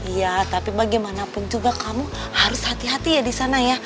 iya tapi bagimanapun juga kamu harus hati hati ya disana ya